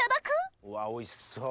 うわおいしそう。